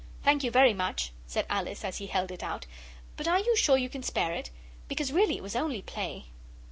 'Thank you very much,' said Alice as he held it out; 'but are you sure you can spare it? Because really it was only play.